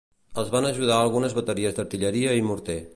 Els van ajudar algunes bateries d'artilleria i morter .